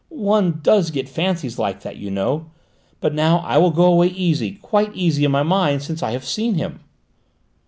One does get fancies like that, you know. But now I will go away easy, quite easy in my mind, since I have seen him."